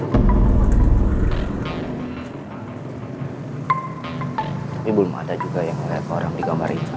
tapi belum ada juga yang ngeliat orang di kamar itu